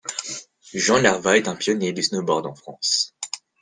Jean Nerva est un pionnier du snowboard en France.